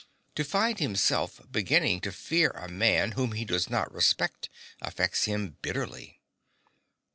To find himself beginning to fear a man whom he does not respect affects him bitterly.)